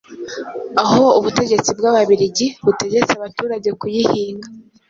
aho ubutegetsi bw'Ababiligi butegetse abaturage kuyihinga.